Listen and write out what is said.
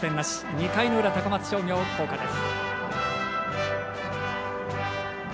２回の裏、高松商業、校歌です。